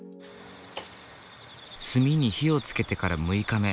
炭に火をつけてから６日目。